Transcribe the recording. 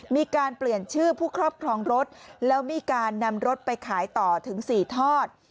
มีการเปลี่ยนชื่อผู้ครอบครองรถแล้วมีการนำรถไปขายต่อถึง๔ทอด